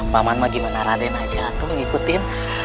paman mah gimana raden aja atu mengikutin